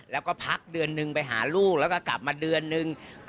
แล้วก็พักเดือนนึงไปหาลูกแล้วก็กลับมาเดือนนึง